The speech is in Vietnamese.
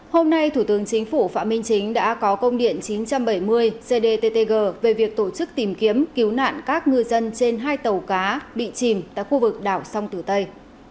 hôm nay thủ tướng chính phủ phạm minh chính đã có công điện chín trăm bảy mươi cdttg về việc tổ chức tìm kiếm cứu nạn các ngư dân trên hai tàu cá bị chìm tại khu vực đảo sông tử tây